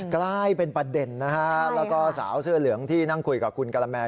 ใกล้เป็นประเด็นและสาวเสื้อเหลืองที่นั่งคุยกับคุณการแมร์